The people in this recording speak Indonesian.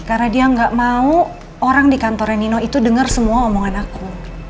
karena dia gak mau orang di kantornya nino itu denger semua omongan aku